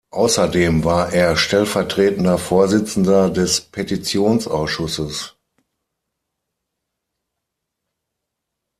Außerdem war er stellvertretender Vorsitzender des Petitionsausschusses.